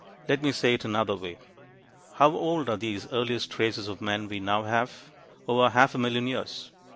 Let me say it another way. How old are the earliest traces of men we now have? Over half a million years.